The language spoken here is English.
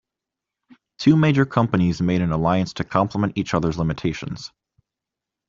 Two major companies made an alliance to compliment each other's limitations.